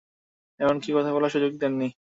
এমনকি কথা বলারও সুযোগ দেননি।